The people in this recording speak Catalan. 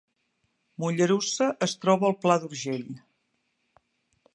Mollerussa es troba al Pla d’Urgell